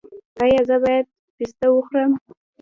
ایا زه باید پسته وخورم؟